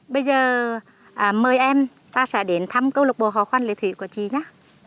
bây giờ mời em ta sẽ đến thăm câu lục bồ hò khoa lệ thủy của chị nhé